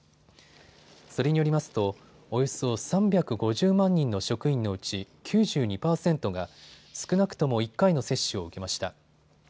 それによりますとおよそ３５０万人の職員のうち９２％が少なくとも１回の接種を受けました。